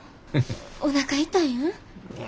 おなか痛いん？